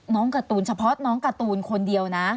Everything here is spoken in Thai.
การ์ตูนเฉพาะน้องการ์ตูนคนเดียวนะ